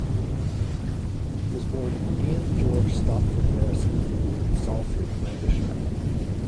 He was born Ian George Stopford Harrison, in Salford, Lancashire.